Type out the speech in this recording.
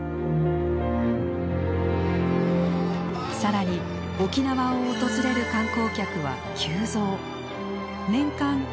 更に沖縄を訪れる観光客は急増。